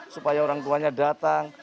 supaya orang tuanya datang